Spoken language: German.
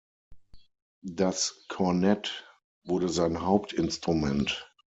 Das Kornett wurde sein Hauptinstrument.